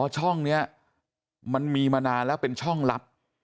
ช่องนี้มันมีมานานแล้วเป็นช่องลับ